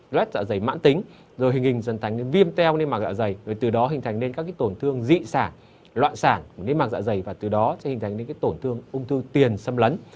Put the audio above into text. dạ dày mãn tính rồi hình hình dẫn đến viêm teo niêm mạc dạ dày từ đó hình thành các tổn thương dị sản loạn sản của niêm mạc dạ dày và từ đó hình thành những tổn thương ung thư tiền xâm lấn